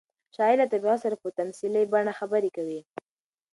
شاعر له طبیعت سره په تمثیلي بڼه خبرې کوي.